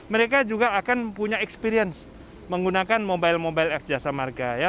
mereka juga akan punya experience menggunakan mobile mobile app jasa marga